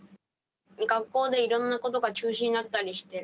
学校でいろんなことが中止になったりしてる。